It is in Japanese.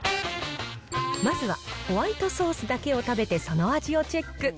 まずはホワイトソースだけを食べて、その味をチェック。